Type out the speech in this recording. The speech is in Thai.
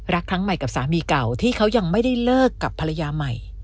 ครั้งใหม่กับสามีเก่าที่เขายังไม่ได้เลิกกับภรรยาใหม่